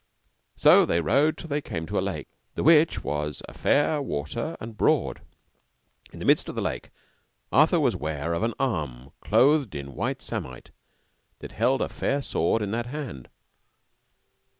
So they rode till they came to a lake, the which was a fair water and broad, and in the midst of the lake Arthur was ware of an arm clothed in white samite, that held a fair sword in that hand.